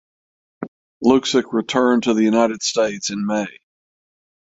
Luksic returned to the United States in May.